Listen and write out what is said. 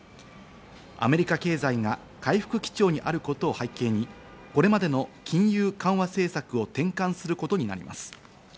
アメリカ経済が回復基調にあることを背景に、これまでの金融緩和政策を転換することになります。